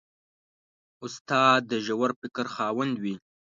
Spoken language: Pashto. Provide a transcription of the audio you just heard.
استاد د ژور فکر خاوند وي.